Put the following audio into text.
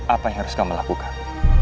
apa yang harus kamu lakukan